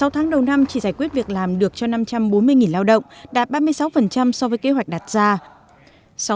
sáu tháng đầu năm chỉ giải quyết việc làm được cho năm trăm bốn mươi lao động đạt ba mươi sáu so với kế hoạch đặt ra